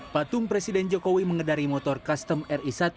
patung presiden jokowi mengedari motor custom ri satu